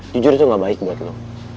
jujur itu gak baik buat lo